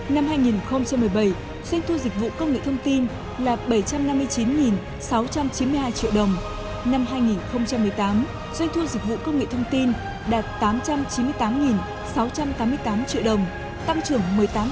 năm hai nghìn một mươi bảy xuyên thu dịch vụ công nghệ thông tin của vmpt it đã góp phần quan trọng và phát triển xuyên thu dịch vụ công nghệ thông tin của tập đoàn với cơ số tăng trưởng